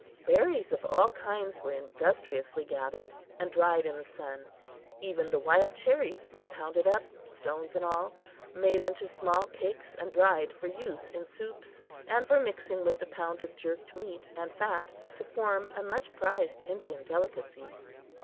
Berries of all kinds were industriously gathered, and dried in the sun. Even the wild cherries were pounded up, stones and all, made into small cakes and dried for use in soups and for mixing with the pounded jerked meat and fat to form a much prized Indian delicacy.